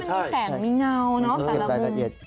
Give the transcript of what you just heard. ใช่มันมีแสงมีเงาเนอะแต่ละมุม